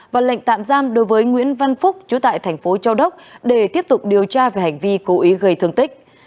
và lệnh tạm giam đối với nguyễn văn phúc chú tại thành phố châu đốc để tiếp tục điều tra về hành vi cố ý gây thương tích